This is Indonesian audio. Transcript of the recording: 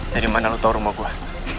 dari mana lo tahu rumah gue